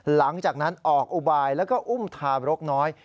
หลังจากนั้นออกอุบายแล้วก็อุ้มทารกน้อย